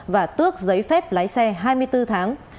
và tước giấy phép lái xe hai mươi bốn tháng